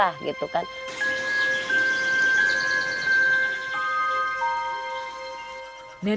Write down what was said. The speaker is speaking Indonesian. banyak saudara entah itu kan saudara nggak harus dari sedara